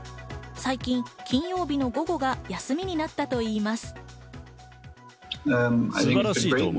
最近、金曜日の午後が休みになったといいます。